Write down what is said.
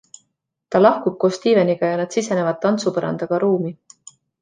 Ta lahkub koos Steveniga ja nad sisenevad tantsupõrandaga ruumi.